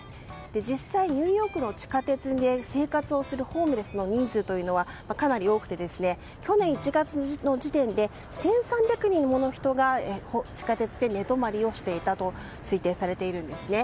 実際、ニューヨークの地下鉄で生活をするホームレスの人数はかなり多くて、去年１月の時点で１３００人もの人が地下鉄で寝泊まりをしていたと推定されているんですね。